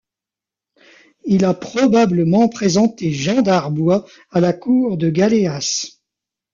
Il a probablement présenté Jean d'Arbois à la cour de Galéas.